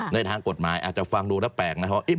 ในทางกฎหมายอาจจะฟังดูแล้วแปลกนะครับว่า